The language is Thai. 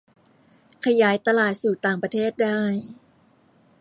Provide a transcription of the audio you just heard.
ขยายตลาดสู่ต่างประเทศได้